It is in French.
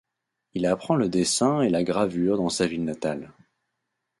Il apprend le dessin et la gravure dans sa ville natale.